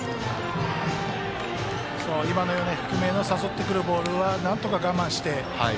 低めへ誘ってくるボールはなんとか我慢して。